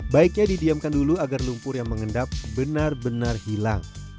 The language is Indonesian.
baiknya didiamkan dulu agar lumpur yang mengendap benar benar hilang